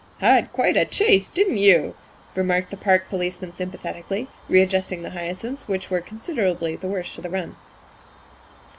' Had quite a chase, didn't you?" remarked the park policeman sympathetically, readjusting the hyacinths, which were considerably the worse for the run.